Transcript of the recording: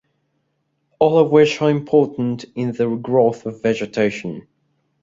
All of which are important in the regrowth of vegetation.